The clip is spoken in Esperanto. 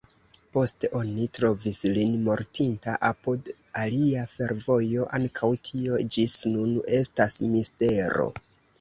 Poste oni trovis lin mortinta apud alia fervojo; ankaŭ tio ĝis nun estas mistero.